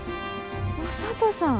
お聡さん。